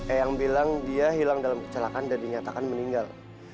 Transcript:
eyang bilang dia hilang dalam kecelakaan dan dinyatakan meninggal